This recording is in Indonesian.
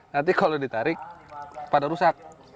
nanti kalau ditarik pada rusak